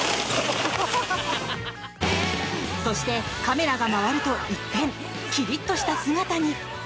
そして、カメラが回ると一転きりっとした姿に。